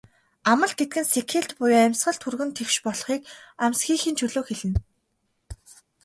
Амал гэдэг нь сэгхийлт буюу амьсгал түргэн тэгш болохыг, амсхийхийн чөлөөг хэлнэ.